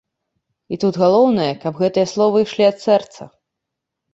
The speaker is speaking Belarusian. І тут галоўнае, каб гэтыя словы ішлі ад сэрца.